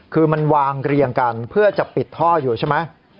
คือมันวางเรียงกันเพื่อจะปิดท่ออยู่ใช่ไหม